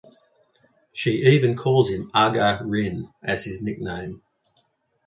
She even calls him Aga-rin as a nickname.